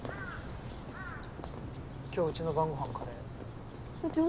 今日うちの晩ご飯カレー。